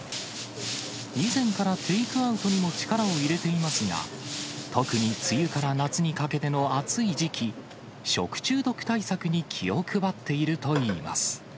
以前からテイクアウトにも力を入れていますが、特に梅雨から夏にかけての暑い時期、食中毒対策に気を配っているといいます。